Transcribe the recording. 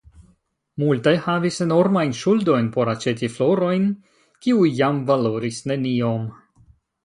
Multaj havis enormajn ŝuldojn por aĉeti florojn kiuj jam valoris neniom.